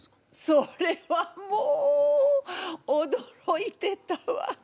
それはもうおどろいてたわ！